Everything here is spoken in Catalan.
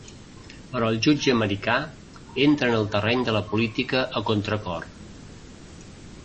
Però el jutge americà entra en el terreny de la política a contracor.